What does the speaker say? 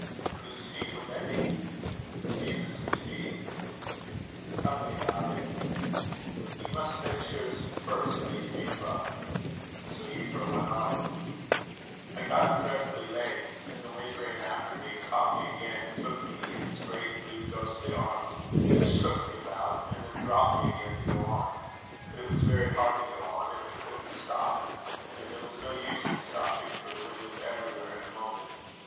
"Whose feet were they?" "Jesus' feet." "Tell me about it." "You must finish yours first, please, Euphra." So Euphra went on: "I got dreadfully lame. And the wind ran after me, and caught me again, and took me in his great blue ghostly arms, and shook me about, and then dropped me again to go on. But it was very hard to go on, and I couldn't stop; and there was no use in stopping, for the wind was everywhere in a moment.